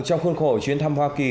trong khuôn khổ chuyến thăm hoa kỳ